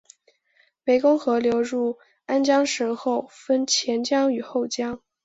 湄公河流入安江省后分前江与后江。